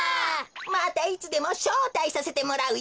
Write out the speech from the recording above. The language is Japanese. またいつでもしょうたいさせてもらうよ。